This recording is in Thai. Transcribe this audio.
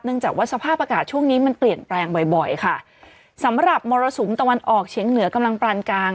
จากว่าสภาพอากาศช่วงนี้มันเปลี่ยนแปลงบ่อยบ่อยค่ะสำหรับมรสุมตะวันออกเฉียงเหนือกำลังปรานกลาง